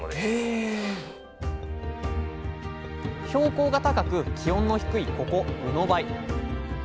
標高が高く気温の低いここうのばい。